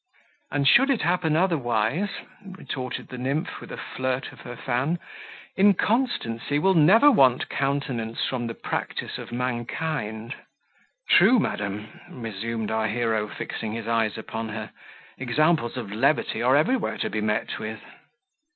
"And should it happen otherwise," retorted the nymph, with a flirt of her fan, "inconstancy will never want countenance from the practice of mankind." "True, madam," resumed our hero, fixing his eyes upon her; "examples of levity are every where to be met with."